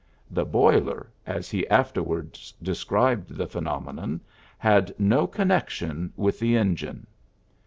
^^The boiler," as he afterward described the phenomenon, ^^had no connection with the engine."